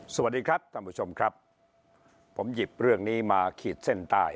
สวัสดีครับท่านผู้ชมครับผมหยิบเรื่องนี้มาขีดเส้นใต้